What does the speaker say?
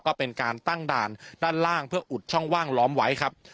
ก็เป็นการตั้งด่านด้านล่างเพื่ออุดช่องว่างล้อมไว้ครับ